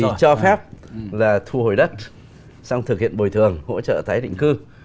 thì cho phép là thu hồi đất xong thực hiện bồi thường hỗ trợ tái định cư